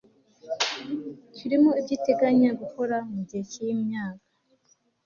kirimo ibyo iteganya gukora mu gihe cy'umyaka